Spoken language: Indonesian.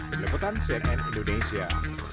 berlebutan cnn indonesia